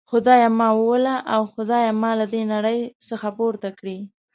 خدایه ما ووله او خدایه ما له دي نړۍ څخه پورته کړي.